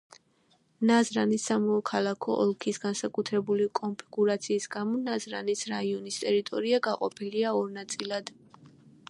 ნაზრანის საქალაქო ოლქის განსაკუთრებული კონფიგურაციის გამო ნაზრანის რაიონის ტერიტორია გაყოფილია ორ ნაწილად.